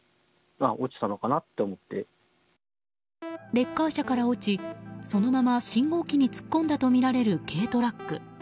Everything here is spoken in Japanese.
レッカー車から落ちそのまま信号機に突っ込んだとみられる軽トラック。